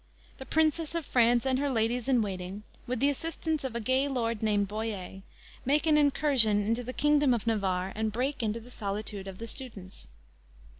The Princess of France and her ladies in waiting, with the assistance of a gay lord named Boyet, made an incursion into the Kingdom of Navarre and break into the solitude of the students.